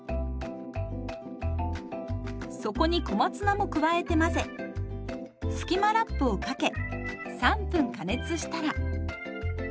そこに小松菜も加えて混ぜスキマラップをかけ３分加熱したら。